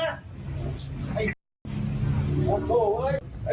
ไอ้สัญโฆษโฆเลย